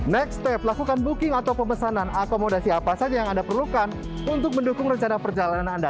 next step lakukan booking atau pemesanan akomodasi apa saja yang anda perlukan untuk mendukung rencana perjalanan anda